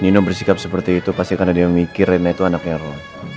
nino bersikap seperti itu pasti karena dia mikir rena itu anaknya roh